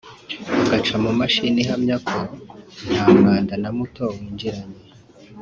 ugaca mu mashini ihamya ko nta mwanda na muto winjiranye